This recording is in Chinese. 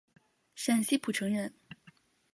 陕西蒲城人。